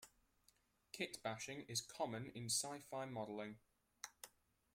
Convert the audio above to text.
Kitbashing is common in sci-fi modeling.